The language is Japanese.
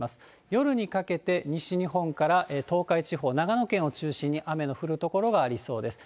夜にかけて西日本から東海地方、長野県を中心に雨の降る所がありそうです。